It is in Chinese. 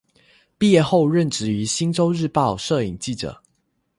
毕业后任职于星洲日报摄影记者。